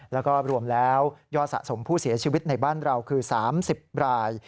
แล้วก็รวมแล้วยอดสะสมผู้เสียชีวิตในบ้านเราคือ๓๐ราย